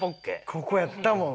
ここやったもん。